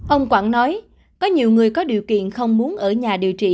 ông quảng nói có nhiều người có điều kiện không muốn ở nhà điều trị